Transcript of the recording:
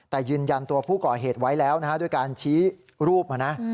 แต่ยืนยันตัวผู้ก่อเหตุไว้แล้วนะฮะด้วยการชี้รูปมานะ